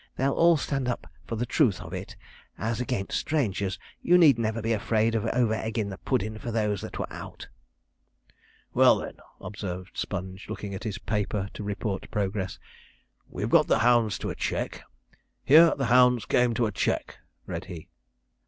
'They'll all stand up for the truth of it as against strangers. You need never be afraid of over eggin' the puddin' for those that were out.' 'Well, then,' observed Sponge, looking at his paper to report progress, 'we've got the hounds to a check. "Here the hounds came to a check,"' read he.